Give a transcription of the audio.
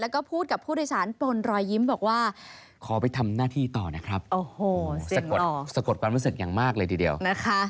แล้วก็พูดกับผู้โดยสารปนรอยยิ้มบอกว่าขอไปทำหน้าที่ต่อนะครับโอ้โหสะกดสะกดความรู้สึกอย่างมากเลยทีเดียวนะคะ